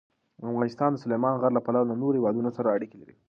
افغانستان د سلیمان غر له پلوه له نورو هېوادونو سره اړیکې لري.